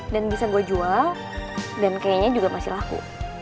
dan bisa gue jual dan kayaknya juga masih laku